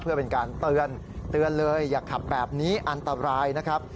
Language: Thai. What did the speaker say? เพื่อเป็นการเตือนเตือนเลยอย่าขับแบบนี้อันตรายนะครับ